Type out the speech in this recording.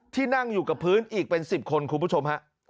ที่นั่งอยู่กับพื้นอีกเป็น๑๐คนคุณผู้ชมฮะ